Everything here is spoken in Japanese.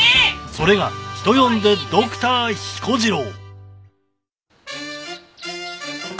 それが人呼んでドクター彦次郎